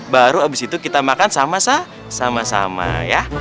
baru abis itu kita makan sama sama ya